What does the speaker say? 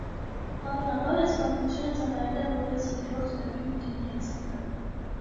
Հավանաբար այս պատմությունը ծառայել է որպես երկրորդ վեպի մոտիվներից մեկը։